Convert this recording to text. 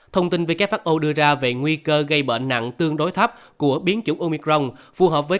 thông tin who đưa ra về nguy cơ gây bệnh nặng tương đối thấp của biến chủng omicron phù hợp với